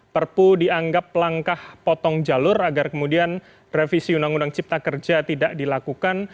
perpu dianggap langkah potong jalur agar kemudian revisi undang undang cipta kerja tidak dilakukan